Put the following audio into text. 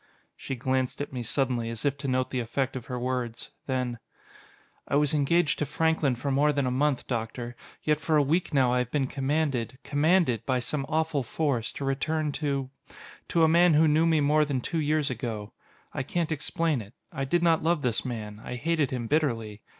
She glanced at me suddenly, as if to note the effect of her words. Then: "I was engaged to Franklin for more than a month, Doctor: yet for a week now I have been commanded commanded by some awful force, to return to to a man who knew me more than two years ago. I can't explain it. I did not love this man; I hated him bitterly.